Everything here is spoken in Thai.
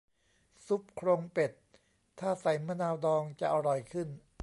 ซุปโครงเป็ด ถ้าใส่มะนาวดองจะอร่อยขึ้น